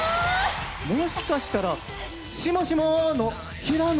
もしかしたらえ？